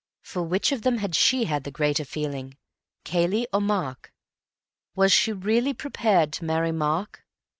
For which of them had she the greater feeling—Cayley or Mark? Was she really prepared to marry Mark?